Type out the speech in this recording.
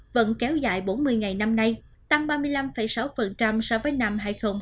vận kéo dài bốn mươi ngày năm nay tăng ba mươi năm sáu so với năm hai nghìn hai mươi một